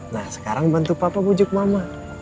nah sekarang bantu papa pujuk mama